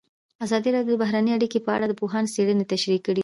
ازادي راډیو د بهرنۍ اړیکې په اړه د پوهانو څېړنې تشریح کړې.